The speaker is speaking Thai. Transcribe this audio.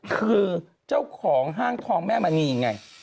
คือเจ้าของห้างทองแม้มันมีอย่างไร